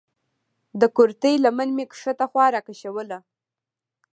د کورتۍ لمن مې کښته خوا راکښوله.